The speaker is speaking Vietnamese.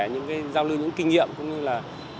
những cái giao lưu những kinh nghiệm cũng như là